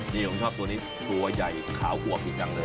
นี่ผมชอบตัวนี้ตัวใหญ่ขาวอวบจริงจังเลย